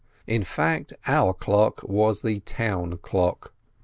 In fact, our clock was the town clock.